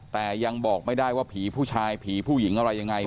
แต่ยังบอกไม่ได้ว่าผีผู้ชายผีผู้หญิงอะไรยังไง